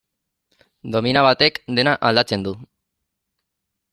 Domina batek dena aldatzen du.